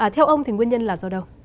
theo ông thì nguyên nhân là do đâu